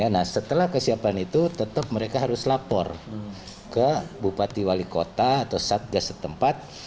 nah setelah kesiapan itu tetap mereka harus lapor ke bupati wali kota atau satgas setempat